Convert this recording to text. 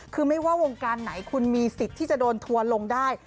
คือไม่ว่าวงการไหนคุณมีสิทธิ์ที่จะโดนทัวร์ลงได้